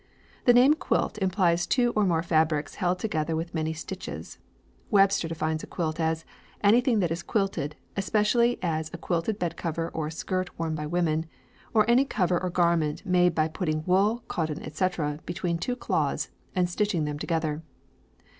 The name quilt implies two or more fabrics held together with many stitches. Webster defines a quilt as "Anything that is quilted, especially as a quilted bedcover or a skirt worn by women; any cover or garment made by putting wool, cotton, etc., between two cloths and stitching them together."